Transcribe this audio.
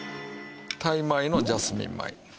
タイ米のジャスミン米。